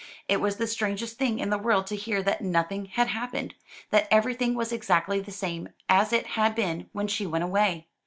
It was the strangest thing in the world to hear that nothing had happened, that everything was exactly the same as it had been when she went away.